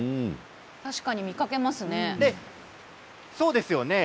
確かに見かけますね。